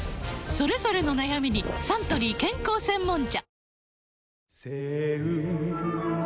それぞれの悩みにサントリー健康専門茶